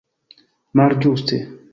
malĝuste